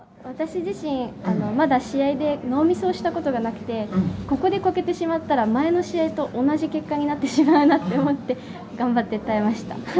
私自身、まだ試合でノーミスをしたことがなくてここでこけてしまったら前の試合と同じ結果になってしまうなと思って頑張って耐えました。